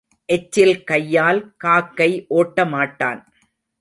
எச்சில் கையால் காக்கை ஓட்டமாட்டான்.